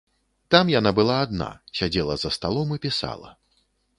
Там яна была адна, сядзела за сталом і пісала.